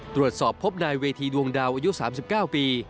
ตรวจสอบพบนายเวทีดวงดาวอายุ๓๙ปี